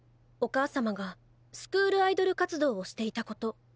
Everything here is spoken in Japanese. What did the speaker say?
お母様がスクールアイドル活動をしていたこと。